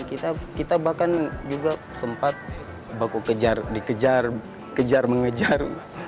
kita bahkan juga sempat baku dikejar kejar mengejar